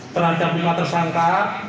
terhadap empat tersangka